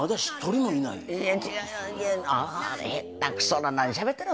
あれ下手くそな何しゃべってる。